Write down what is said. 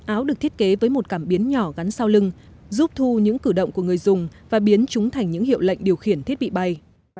áo được thiết kế với một cảm biến nhỏ gắn sau lưng giúp thu những cử động của người dùng và biến chúng thành những hiệu lệnh điều khiển thiết bị bay